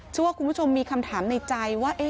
เชื่อว่าคุณผู้ชมมีคำถามในใจว่า